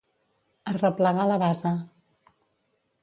Arreplegar la basa.